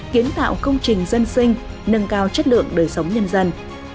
kiến tạo công trình dân sinh nâng cao chất lượng đời sống nhân dân